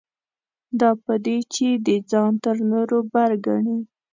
دا په دې چې دی ځان تر نورو بر ګڼي.